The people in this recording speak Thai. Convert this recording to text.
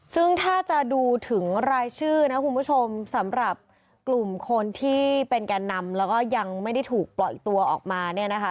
ซึ่งถ้าจะดูถึงรายชื่อนะคุณผู้ชมสำหรับกลุ่มคนที่เป็นแก่นำแล้วก็ยังไม่ได้ถูกปล่อยตัวออกมาเนี่ยนะคะ